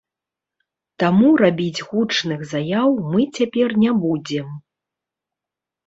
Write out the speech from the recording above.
Таму рабіць гучных заяў мы цяпер не будзем.